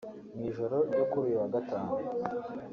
Mu ijoro ryo kuri uyu wa Gatanu